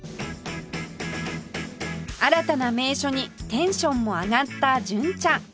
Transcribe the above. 新たな名所にテンションも上がった純ちゃん